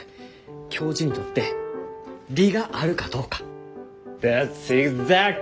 教授にとって利があるかどうか。